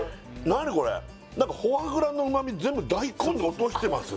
何かフォアグラの旨み全部大根に落としてます？